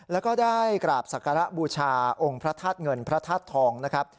แล้วก็ได้กราบศักรบูชาองค์พระทัศน์เงินพระทัศน์ทองนะครับ